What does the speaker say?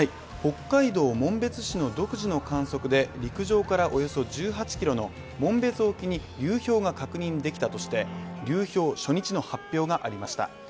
北海道紋別市の独自の観測で、陸上からおよそ１８キロの紋別沖に流氷が確認できたとして、流氷初日の発表がありました。